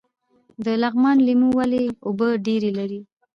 د لغمان لیمو ولې اوبه ډیرې لري؟